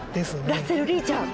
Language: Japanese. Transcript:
ラッセルリーちゃん？